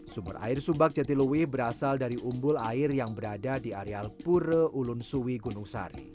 sumber air subak jatiluwih berasal dari umbul air yang berada di areal pura ulun suwi gunung sari